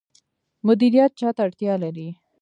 مدیریت چا ته اړتیا لري؟